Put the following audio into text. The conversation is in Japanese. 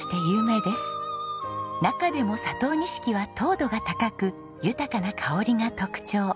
中でも佐藤錦は糖度が高く豊かな香りが特徴。